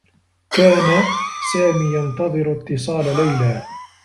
كان سامي ينتظر اتّصال ليلى.